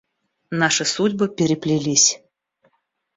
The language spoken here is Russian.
Наши судьбы переплелись.